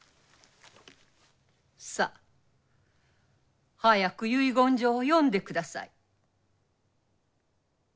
さぁ早く遺言状を読んでください。